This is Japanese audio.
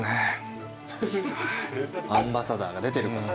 アンバサダーが出てるから。